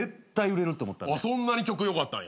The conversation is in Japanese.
そんなに曲良かったんや。